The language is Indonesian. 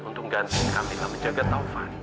untuk ganti camilla menjaga taufan